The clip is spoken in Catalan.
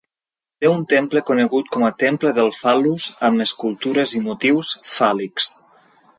Té un temple conegut com a Temple del Fal·lus amb escultures i motius fàl·lics.